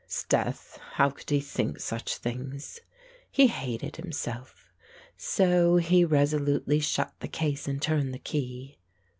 "'Sdeath. How could he think such things?" He hated himself. So he resolutely shut the case and turned the key.